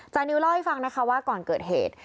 นิวเล่าให้ฟังนะคะว่าก่อนเกิดเหตุ